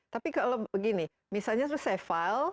tapi kalau begini misalnya saya file